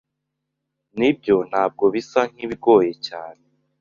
Nibyo, ntabwo bisa nkibigoye cyane.